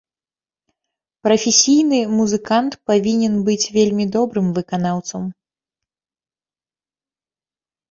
Прафесійны музыкант павінен быць вельмі добрым выканаўцам.